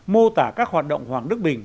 mô tả các hoạt động hoàng đức bình